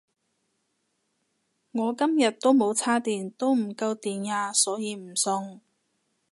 我今日都冇叉電都唔夠電呀所以唔送